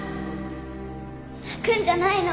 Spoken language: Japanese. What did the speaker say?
泣くんじゃないの。